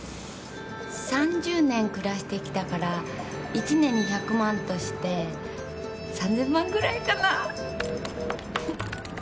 ３０年暮らしてきたから１年に１００万として３，０００万ぐらいかなフフ。